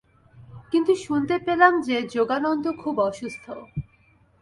কিন্তু শুনতে পেলাম যে, যোগানন্দ খুব অসুস্থ।